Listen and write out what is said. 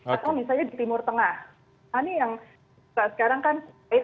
atau misalnya di timur tengah ini yang sekarang kan